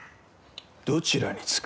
どちらにつく？